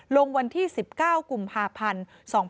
ลงวันที่๑๙กุมภาพันธ์๒๕๖๒